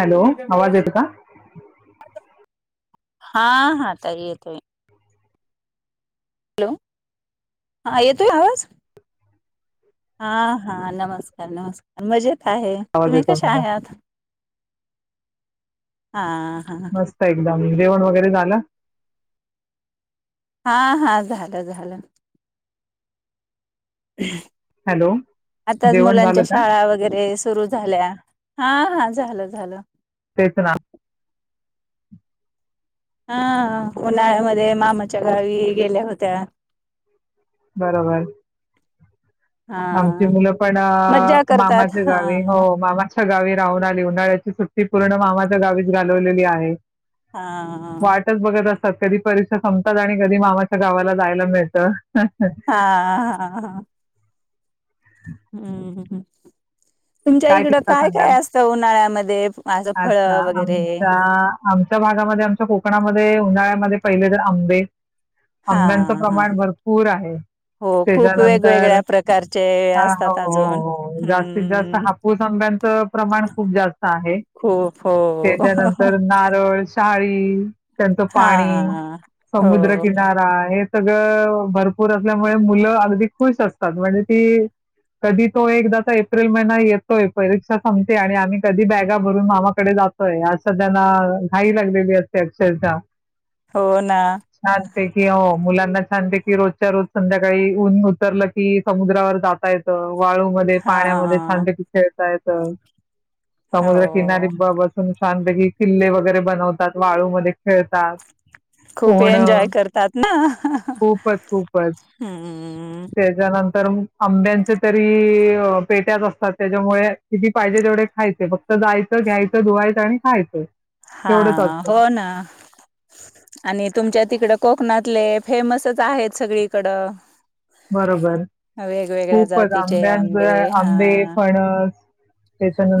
Hello? आवाज येतो का? ह. [inaudible] हा, हा, ताई येतोय. हॅलो? हा येतोय आवाज? हा, हा, नमस्कार नमस्कार मजेत. आहे, आवाज तुम्ही येतो कशा मला आहात? हा. हा मस्त एकदम. जेवण वगैरे झालं? हा, हा, झाल, झालं. हॅलो आताच जेवण झालं मुलांच्या का शाळा वगैरे सुरू झाल्या. हा, हा, झालं, झालं. तेच ना हा होन [unintelligible] मध्ये मामाच्या गावी गेल्या होत्या. बरोबर. हा आमची मुलं पण मज्जा करतात मामाच्या हा गावी हो मामाच्या गावी राहून आली उन्हाळ्याची सुट्टी- ती पूर्ण मामाच्या गावीच घालवलेली आहे. हा. वाटच बघत कधी परीक्षा संपतात आणि कधी मामाच्या गावाला जायला मिळतं. हा, हा, हा. हम्म. हम. तुमच्या इकडं किस्सा काय काय सांगाल असतं, उन्हाळ्यामध्ये असं फळ अच्छा वगैरे? आमच्या आमच्या भागामध्ये आमच्या कोकणामध्ये उन्हाळ्यामध्ये पहिले तर आंबे- हा, आंब्यांचं हा, प्रमाण भरपूर आहे हो खूप त्याच्यानंतर वेगवेगळ्या प्रकारचे हां, हो, असतात, अजून हो, हो. जास्तीत हम्म- जास्त हापूस आंब्याच प्रमाण खूप जास्त आहे, खूप हो त्याच्यानंतर नारळ शहा हम्. त्यांचं पाणी हा. हो समुद्रकिनारा आहे. सगळ भरपूर असल्यामुळे मुलं अगदी खुश असतात. म्हणजे ती कधी तो एकदा एप्रिल महि ना येतोय परीक्षा संपते. आणि आम्ही कधी बॅगा भरून मामाकडे जातोय. असं त्यांना घाई लागलेली असते. अक्षरशः हो ना छान पैकी हो मुलांना छान पैकी की रोजच्या रोज संध्याकाळी ऊन उतरलं की समुद्रावर जाता येत. वाळू मध्ये हा पाण्यामध्ये छान पैकी खेळतात. ह समुद्रकिनारी हो. बसून. छानपैकी किल्ले वगैरे बनवतात वाळूमध्ये- खेळतात खूप पोहण एन्जॉय करतात ना खूपच खूपच हम्म. तेज्यानंतर तर आंब्यांचे तरी पेट्याच असतात. त्याच्यामुळे किती पाहिजे तेवढे खायचे फक्त जायचं घ्यायचं धुवायचं आणि खायचं. हा एवढंच असतं. हो ना आणि तुमच्या तिकड कोकणातले फेमसच आहेत सगळीकड बरोबर खूपच जातीचे आंब्यांच आंबे हा आंबे फणस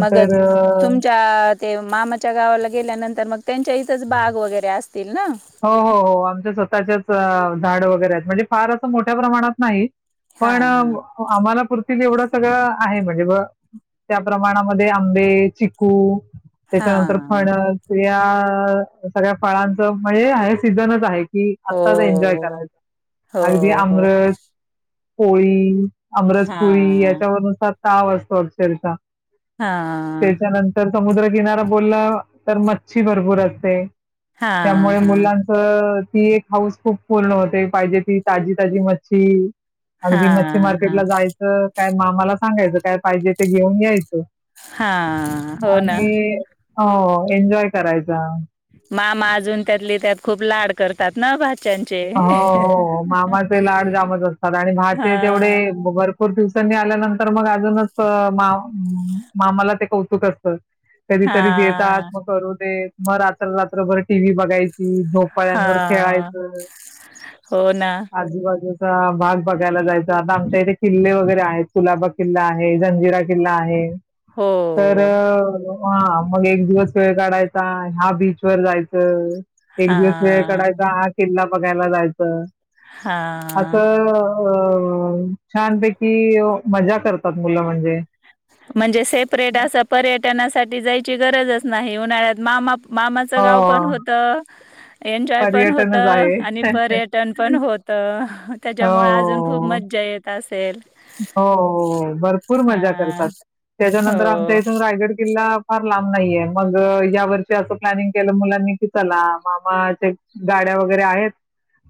मग अ तुमच्या ते मामाच्या गावाला गेल्यानंतर- तर मग. त्यांच्या इथंच बाग वगैरे असते हो हो हो आमच्या स्वतःचेच झाड वगैरे आहेत. म्हणजे फार असं मोठ्या प्रमाणात नाही. हा पण हा. आम्हाला पुरतील एवढं सगळं. आहे म्हणजे ब त्या प्रमाणामध्ये आंबे, चिकू हा त्याच्यानंतर फणस. सगळ्या फळांच. म्हणजे आहे सीझनच आहे. कि हो आत्ताच एन्जॉय करायचं हो अगदी हो अमरस पोळी हा अमरसपुरी याच्यावरून सात सहा वाजतो अक्षरशः हा त्याच्यानंतर समुद्रकिनारा बोलला तर मच्छी भरपूर असते. हा हा त्यामुळे हा मुलांचं- ती एक हाऊस खूप पूर्ण होते पाहिजे ती ताजी- ताजी मच्छी अगदी मच्छी हा मार्केटला जायचं काय मामाला- सांगायचं काय पाहिजे ते घेऊन यायच. हा हो ना. हो एन्जॉय करायचं. मामा अजून त्यातले त्यात खूप लाड करतात ना भाच हो हो मामाचे लाड जामच असतात आणि हा भाचे तेवढे बर खुप दिवसांनी आल्यानंतर मग अजूनच मा मामाला ते कौतुक असतं. हा कधीतरी येतात मग करू देत. मग रात्र रात्रभर टीव्ही बघाय ची हा झोपाळ्यांवर खेळायचं. हो ना. आजूबाजूचा भाग बघायला जायचा, आता आमच्या इथे किल्ले वगैरे आहेत कुलाबा किल्ला आहे जंजिरा किल्ला आहे. हो तर हा मग एक दिवस वेळ काढायचा ह्या बीच वर जायचं. हा एक दिवस म कढायचा हा किल्ला बघायला जायचं. हा. असं अ छानपैकी मजा करतात मुलं म्हणजे, म्हणजे सेपरेट असं परे पटणासाठी जायची गरजच नाही उन्हाळ्यात मामा मामाचं हो गाव पण होत एन्जॉय पण होत पर्यटनच आणि आहे पर्यटन पण होत. त्याच्यामुळे अजून खूप हो मज्जा येत अंसेल. हो भरपूर मजा हां, करतात त्याच्यानंतर हो. आमच्या इथून रायगड किल्ला फार लांब नाहीये मग या वर्षी असं प्लॅनिंग केलं मुलांनी की चला मामाचे गाड्या वगैरे आहेत.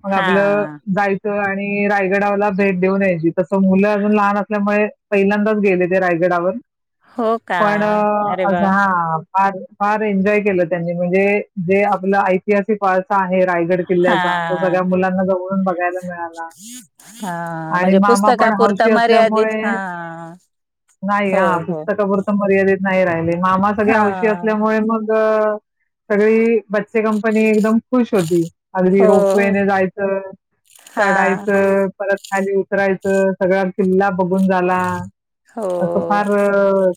मग आपलं हां, जाय आणि रायगडावला भेट देऊन याची तसं मुलं अजून लहान असल्यामुळे पहिल्यांदाच गेले ते रायगडावर. हो का? पण अरे अस वाह! हा फार फार एन्जॉय केलं त्यांनी म्हणजे जे आपलं आय ऐतिहासिक वारसा आहे रायगड किल्ल्याचा, तो हां, सगळ्या मुलांना जवळून बघायला मिळाला. हां, आणि म्हणजे मामा पुस्तकापुरता हौशी मर्यादित असल्यामुळे, हां, नाही हो, ह हो. पुस्तकापुरतं मर्यादित नाही राहिले. मामा सगळे हौशी हां, असल्यामुळे मग सगळी ब चे कंपनी एकदम खुश होती. अगदी हो, रोपवेेने जायचं, हां, चढायचं, परत खाली उतराय च सगळा किल्ला बघून झाला. हो, असं फार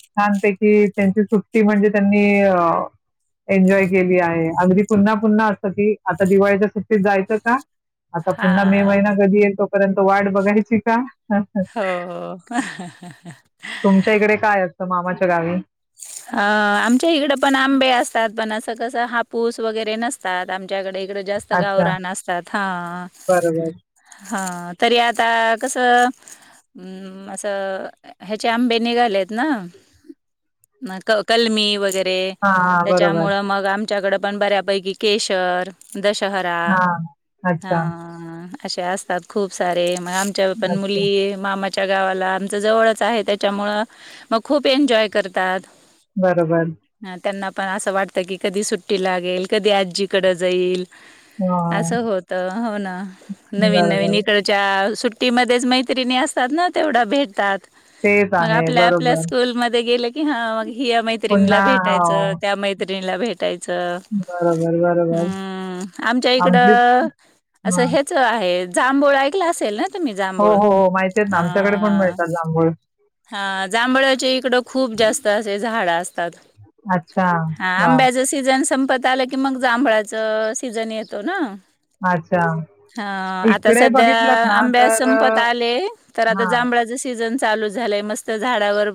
छानपैकी त्यांची सुट्टी म्हणजे त्यांनी अ एन्जॉय केली आहे, अगदी पुन्हा पुन्हा असं की आता दिवाळीच्या सुट्टीत जायचं का? आता पुन्हा मे महिना हां, कधी येतो परत वाढ बघायची. का? हो हो. तुमच्या इकडे काय असतं मामाच्या गावी? कस हापूस वगैरे नसतात. आमच्याकडे कडे जास्त अच्छा, गावरान असतात हा. बरोबर. हा तरी आता कसं असं ह्याचे आंबे निघालेत ना कलमी वगैरे ते, हा बरोबर. त्याच्यामुळे मग आम च्याकड पण बऱ्यापैकी केशर दशहरा हा. अच्छा. हा. अशे असतात खूप सारे आमच्या पण अच्छा. मुली मामा च्या गावाला, आमच जवळच आहे त्याच्यामुळं मग खूप एन्जॉय करतात. बरोबर. हा त्यांना पण असं वाटतं की कधी सुट्टी लागेल, कधी आजीकडें जाईल. हं. असं होत, हो ना नवीन नवीन बरोबर. इकडच्या सु ट्टी मध्येच मैत्रिणी असतात ना तेवढ्या भेटतात. तेच मग आहे. आपल्या आपल्या बरोबर. स्कूलमध्ये गेलं की ह ह्या मैत्रिणीला पुन्हा हो. भेटायचं त्या मैत्री मैत्रिणीला भेट टायच, बरोबर, बरोबर. म् आमच्या इकड आमची अस हां. हेच आहे जांभुळ ऐकल असेल ना तुम्ही हो जांभूळ हो हो माहितीेत ना आमच्याकडे पण अ मिळतात जांभूळ हा जांभळाचे इकड खूप जास्त असे झाड अस तात अच्छा. हा वाह! आंब्याचा सीजन सं पत आलं की मग जांभळाच सीझन येतो ना अच्छा. हा आता इकडे सध्या बघितलंत ना आंब्या तर संपत अ, आले तर आता हां. जांभळाच सीजन चा चालू झालंय मस्त झाडावर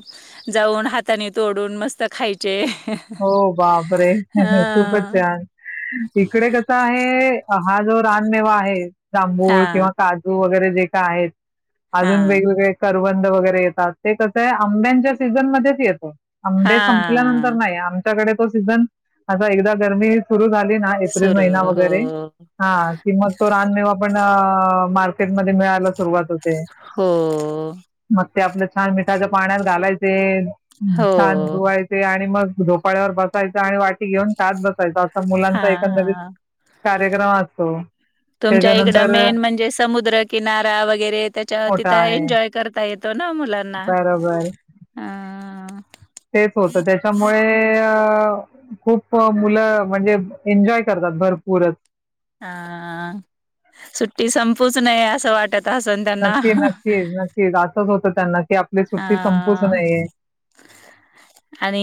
जाऊन हाताने तोडून मस्त खायचे हो बापरे खूपच हा छान इकडे कसं आहे हा जो रानमेवा आहे जांभूळ किंवा हा काजू वगैरे जे का आहेत हा अजून वेगवेगळे कर निर्बंध वगैरे येतात ते कसं आहे आंब्यांच्या सीझनमध्येच येतो आंबे संपल्यानंतर हा नाही सीझन एकदा गरमी सुर झाली एप्रिल सुरू महिना हो वगैरे हा की मग तो रान मेवा पण मार्केट मध्ये मिळायला सुरुवात होते हो मग ते आपलं छान मिठाच्या पाण्यात घालायचे ह् हो छान धुवायचे आणि मग झोपाळ्यावर बसायचं आणि वाटी घेऊन खात बसायचं असं हा मुलांचा एकंदरीत कार्यक्रम असो तुमच्या इकडं मेन म्हणजे समुद्रकिनारा वगैरे त्याच्या मोठा तिथं आहे. एन्जॉय करता येतो ना मुलांना बरोबर. अ हा तेच होत त्याच्यामुळे खूप मुलं म्हणजे एन्जॉय करतात भरपूरच हा सुट्टी संप पुच नये असं वाटत असन त्यांना. नक्कीच, नक्कीच, नक्कीच आ सच होत त्यांना की आपली हा सुट्टी संपूच नाहीये. आणि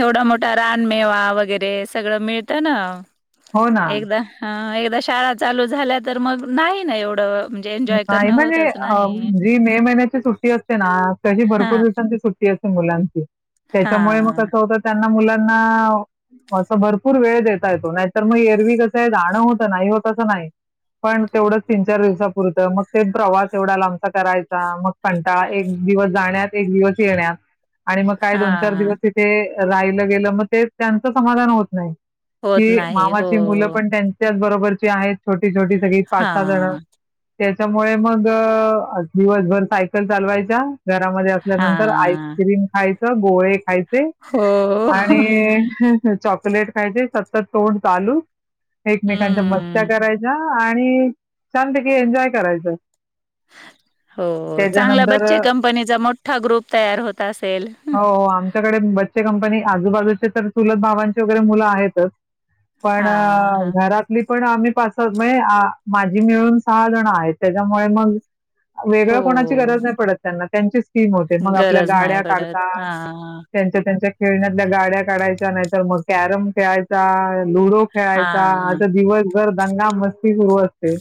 एवढा मो रानमेवा वगैरे सगळं मिळतं ना? हो ना. एकदा हा एक दा शाळा चालू झाल्या, तर मग नाही ना एवढं म्हणजे एन्जॉय नाही करणं म्हणजे होतच अ नाही. जी मे महिन्याची सुट्टी अस ते ना तशी हा भरपूर दिवसांची सुट्टी अस मुलांची हा त्याच्यामुळे मग कसं होत त्यांना मुला ना असं भरपूर वेळ देता येतो. नाहीतर मग एरवी कसं हे जाणं होतं नाही होत अस नाही. पण तेवढंच तीन चार दिवसा पुरत मग ते प्रवास एवढ्या लांबचा करायचा, मग कंटाळा एक दिवस जाण्यात एक दिवस येण्यात आणि मग काय दोन चार हा दिवस तिथे राहिलं गेलं मग तेच त्यांचं समाधान होत नाही. होत कि नाही हो. मामाची मुलं पण त्यांच्याच बरो वरचे आहेत छो टी छोटी सगळी पाच हा सहा जण त्याच्यामुळे मग अ आज दिवसभर सायकल चालवायचा घरामध्ये हा असल्यानंतर आईस्क्रीम खाय त गोळे खाय ते हो. आणि अ चॉक लेट खायचे सतत तोंड चालू एकमेकांच्या मस्त्या हम्म करायच्या आणि छानपैकी एन्जॉय करायचं. हो चांगला त्याच्यानंतर बच्चे कंपनीचा मोठ्ठा ग्रुप तयार होत असेल. हो हो आमच्याकडे बच्चे कंपनी आजूबाजूचे तर चूलत भावांचे वगैरे मुलं आहेतच. पण हा अ हा घरातली पण आम्ही पाच सज महे आ माझी मिळून सहा जण आ हेत त्याच्यामुळे मग आ वेगळं कोणाची हो गरज नाही पडत त्यांना. त्यांचीच टीम होते मग आपल्या गरज गाड्या नाही पडत काढतात. हां त्यांच्या त्यांच्या खेळण्यातल्या गाड्या काढायच्या नाही तर मग कॅरम खेळायचा लुडो खेळायचा हां असं दिवस घर दंगा मस्ती सुरू असते.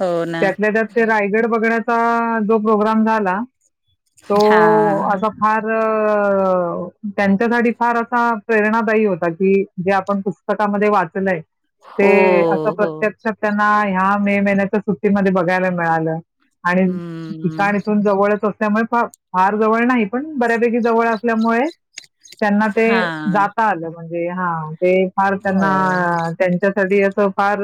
हो ना त्यातल्या त्यात ते रायगड बघण्यात आ जो प्रोग्राम झाला. तो हां असा फार त्यांच्यासाठी फार असा प्रेरणादायी होता की जे आपण पुस्तकामध्ये वाचलय हो, ते असं हो. प्रत्यक्ष त्यांना ह्या मे महिन्याच सु ट्टी मध्ये बघायला मिळालं. आणि हम्म ठिकाण इथून जवळच अस त्यामुळे फ फार जवळ नाही पण बऱ्यापैकी जवळ अस ल्यामुळे त्यांना ते हां जाता आलं. म्हणजे हा ते. फार हो त्यांना त्यांच्यासाठी फार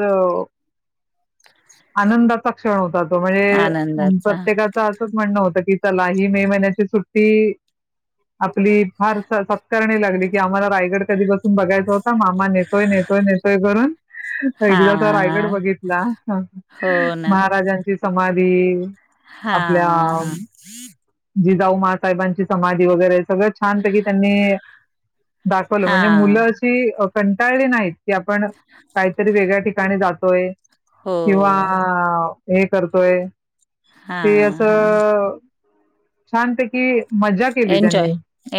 आनंदाचा क्षण होता त म्हणजे आनंदाचा प्रत्येकाच असंच म्हणणं होतं की चला ही मे महिन्याची सुट्टी, आपली फार सत्कारणी लागली की आम्हाला रायगड कधी बसून बघायचा होता. मामा नेतोय नेतोय नेतोय करून एकदा तो रायगड हां बघितला. हो ना. ची समाधी. हा हा. जीजाऊ मसाहेबांची समाधी वगैरे सगळं छानपैकी त्यांनी दाखवलं, म्हणजे हां मुलं अशी कंटाळली नाहीत. की आपण काहीतरी वेगळ्या ठिका ठिकाणी जातोय. हो किंवा हे करतोय. ते हां, हां असं शांत की मजा केली त्यांनी एन्जॉय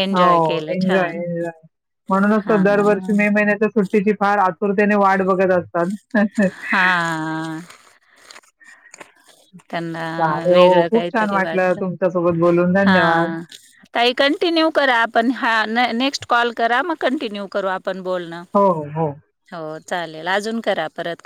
एन्जॉय हो केलं एन्जॉय छान एन्जॉय म्हणूनचं दरवर्षी हां, मे महिन्याच सुट्टीची फार आतुरतेने वाट बघत असतात. हा. त्यांना चालेल हो वेगळं खूप छान काहीतरी वाटलं वाटत. तुमच्यासोबत बोलून हा धन्यवाद ताई कंटिन्यू करा. आपण ह नेक्स्ट कॉल करा मग कंटिन्यू करू आप पण बोलणं हो हो हो हो. चालेलं अजून करा परतं क